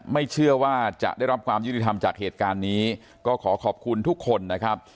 ไม่เชื่อว่าจะได้รับความยุติธรรมจากเหตุการณ์นี้ก็ขอขอบคุณทุกคนนะครับ